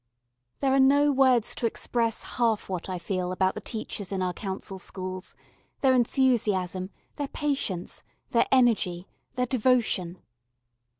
There are no words to express half what I feel about the teachers in our Council Schools, their enthusiasm, their patience, their energy, their devotion.